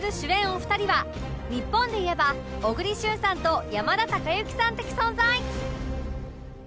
お二人は日本でいえば小栗旬さんと山田孝之さん的存在